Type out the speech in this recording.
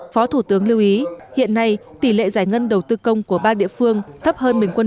phó thủ tướng lưu ý hiện nay tỷ lệ giải ngân đầu tư công của ba địa phương thấp hơn mình quân